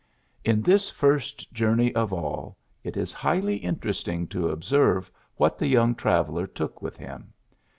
^ In this first journey of all, it is Mghly interesting to observe what the young traveller took with him.